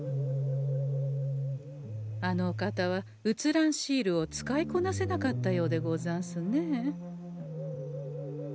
あのお方は写らんシールを使いこなせなかったようでござんすね。